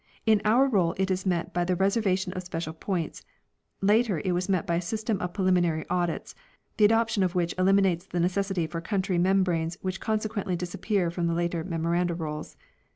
In our roll it is met by the reservation of special points ; later it was met by a system of preliminary audits, the adoption of which eliminates the necessity for county membranes which consequently disappear from the later Memoranda Rolls.